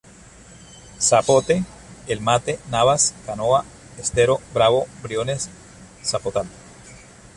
Zapote, El Mate, Navas, Canoa, Estero Bravo, Briones, Zapotal.